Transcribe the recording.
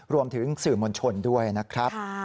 รวมถึงสื่อมวลชนด้วยนะครับ